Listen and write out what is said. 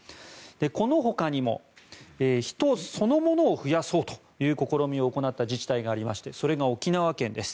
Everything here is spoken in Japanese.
このほかにも人そのものを増やそうという試みを行った自治体がありましてそれが沖縄県です。